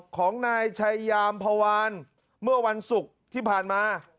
ของนายชัยยามพวานเมื่อวันศุกร์ที่ผ่านมา